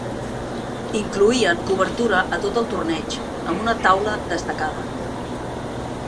Incloïen cobertura a tot el torneig, amb una "taula destacada".